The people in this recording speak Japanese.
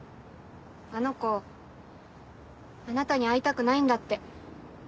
あの子あなたに会いたくないんだって。